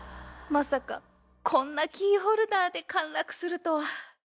まさかこんなキーホルダーで陥落するとは